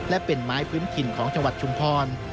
และเป็นไม้พื้นถิ่นของจังหวัดชุมพร